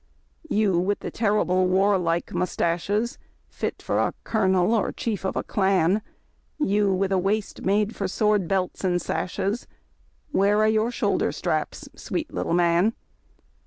You with the terrible warlike moustaches. Fit for a colonel or chief of a clan, You with the waist made for sword belts and sashes, Where are your shoulder straps, sweet litt'e man?